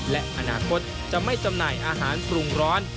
และอนาคตจะไม่จำหน่ายอาหารปรุงร้อน